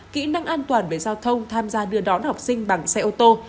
kỹ năng an toàn về giao thông tham gia đưa đón học sinh bằng xe ô tô